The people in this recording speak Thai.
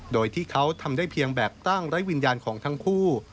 โดยที่เขาทำได้เพียงแบบตั้งไร้วิญญาณของทั้งคู่